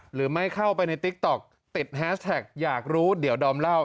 หรือไม่เข้าไปในติ๊กต๊อกติดแฮสแท็กอยากรู้เดี๋ยวดอมเล่า